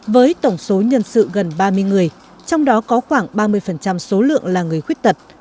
với tổng số nhân sự gần ba mươi người trong đó có khoảng ba mươi số lượng là người khuyết tật